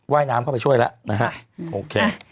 ว่ายน้ำเข้าไปช่วยแล้ว